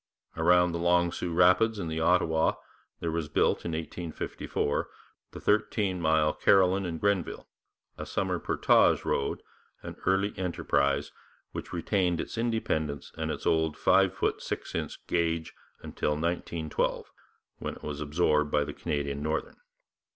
Around the Long Sault rapids in the Ottawa there was built in 1854 the thirteen mile Carillon and Grenville, a summer portage road, an early enterprise which retained its independence and its old five foot six inch gauge until 1912, when it was absorbed by the Canadian Northern.